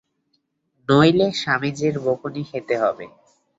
নইলে স্বামীজীর বকুনি খেতে হবে।